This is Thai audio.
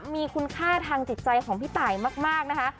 มีคุณค่าทางจิตใจของพี่ตายมากนะคะ